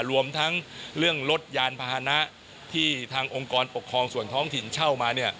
รวมทั้งเรื่องลดยานพาหนะที่ทางองค์กรปกครองส่วนท้องถิ่นเช่ามา